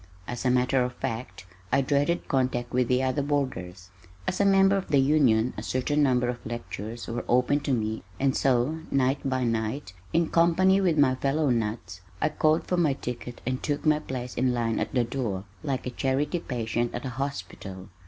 As a matter of fact, I dreaded contact with the other boarders. As a member of the Union a certain number of lectures were open to me and so night by night, in company with my fellow "nuts," I called for my ticket and took my place in line at the door, like a charity patient at a hospital.